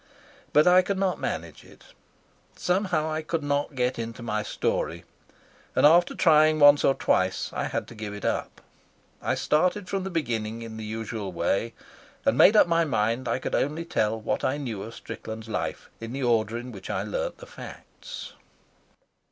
But I could not manage it. Somehow I could not get into my story, and after trying once or twice I had to give it up; I started from the beginning in the usual way, and made up my mind I could only tell what I knew of Strickland's life in the order in which I learnt the facts.